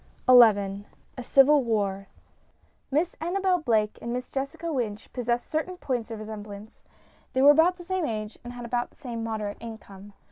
XI A CIVIL WAR Miss ANNABEL BLAKE and Miss Jessica Wynch possessed certain points of resemblance. They were about the same age, and had about the same moderate income.